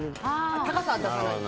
高さ出さないと。